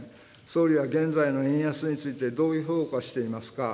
総理は現在の円安についてどう評価していますか。